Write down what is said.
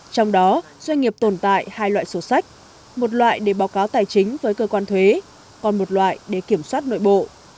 trong đó doanh nghiệp tồn tại hai loại sổ sách một loại để báo cáo tài chính với cơ quan thuế còn một loại để kiểm soát nội bộ